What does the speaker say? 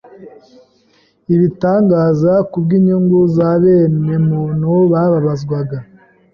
ibitangaza ku bw’inyungu za bene muntu bababazwaga.